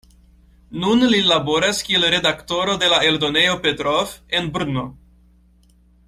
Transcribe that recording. Nun li laboras kiel redaktoro de la eldonejo Petrov en Brno.